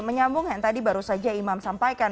menyambungkan tadi baru saja imam sampaikan